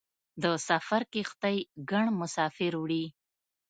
د سفر کښتۍ ګڼ مسافر وړي.